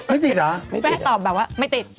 ไม่ติดเหรอแม่ตอบแบบว่าไม่ติด